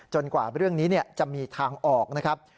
กว่าเรื่องนี้จะมีทางออกนะครับ